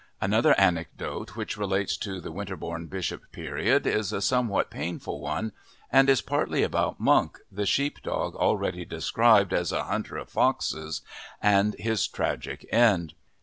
Another anecdote, which relates to the Winterbourne Bishop period, is a somewhat painful one, and is partly about Monk, the sheep dog already described as a hunter of foxes, and his tragic end.